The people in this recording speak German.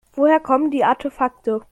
Woher kommen die Artefakte?